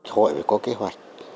hội có kế hoạch